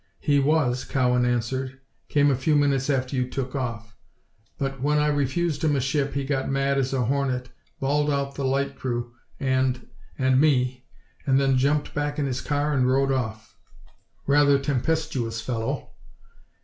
"He was," Cowan answered. "Came a few minutes after you took off, but when I refused him a ship he got mad as a hornet, bawled out the light crew and and me, and then jumped back in his car and rode off. Rather tempestuous fellow."